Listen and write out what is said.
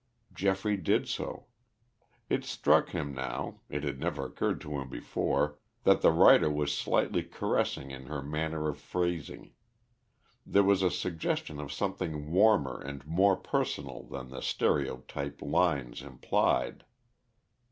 Geoffrey did so. It struck him now it had never occurred to him before that the writer was slightly caressing in her manner of phrasing. There was a suggestion of something warmer and more personal than the stereotyped lines implied.